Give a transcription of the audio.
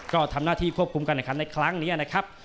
ก็ทำหน้าที่ควบคุมการแข่งขันในครั้งนี้นะครับ